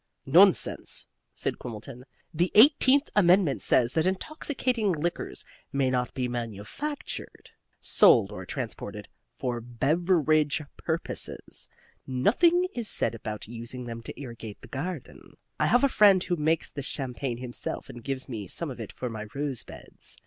"Nonsense!" said Quimbleton. "The Eighteenth Amendment says that intoxicating liquors may not be manufactured, sold or transported FOR BEVERAGE PURPOSES. Nothing is said about using them to irrigate the garden. I have a friend who makes this champagne himself and gives me some of it for my rose beds.